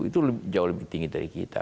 itu jauh lebih tinggi dari kita